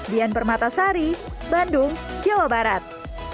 dian permata sari bandung jawa barat